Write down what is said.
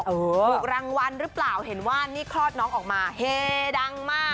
ถูกรางวัลหรือเปล่าเห็นว่านี่คลอดน้องออกมาเฮดังมาก